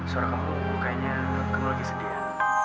suara kamu kayaknya kembali sedia